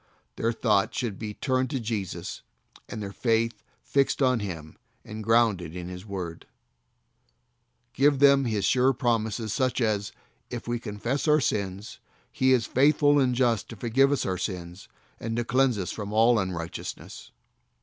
Their thought should be turned to Jesus and their faith fixed on Him and grounded in His Word. SOUL WINNER AND CHILDREN. 137 Give them His sure promises, such as, "If we confess our sins He is faithful and just to forgive us our sins, and to ' cleanse us from all unrighteousness."